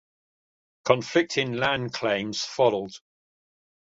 Conflicting land claims followed.